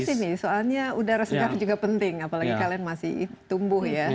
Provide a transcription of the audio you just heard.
di sini soalnya udara segar juga penting apalagi kalian masih tumbuh ya